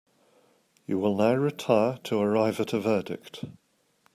You will now retire to arrive at a verdict.